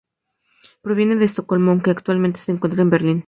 Proveniente de Estocolmo, aunque actualmente se encuentra en Berlín.